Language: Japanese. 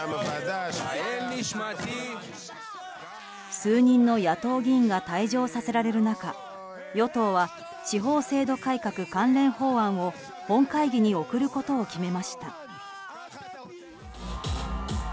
数人の野党議員が退場させられる中与党は司法制度改革関連法案を本会議に送ることを決めました。